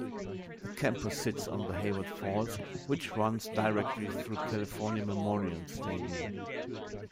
The campus sits on the Hayward Fault, which runs directly through California Memorial Stadium.